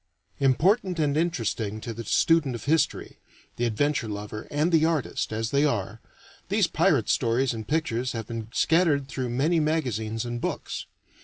Important and interesting to the student of history, the adventure lover, and the artist, as they are, these Pirate stories and pictures have been scattered through many magazines and books.